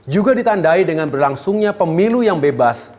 juga ditandai dengan berlangsungnya pemilu yang bebas